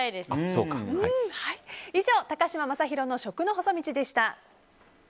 以上高嶋政宏の食の細道でした。